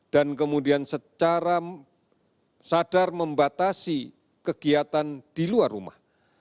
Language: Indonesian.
dan kemudian secara sadar membatasi kegiatan di luar rumah